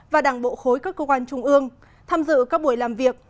và đảng bộ khối các cơ quan trung ương tham dự các buổi làm việc